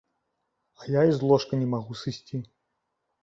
А я і з ложка не магу сысці.